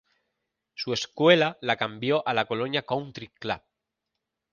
Su escuela la cambió a la Colonia Country Club.